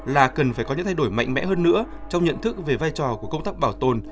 là cần phải có những thay đổi mạnh mẽ hơn nữa trong nhận thức về vai trò của công tác bảo tồn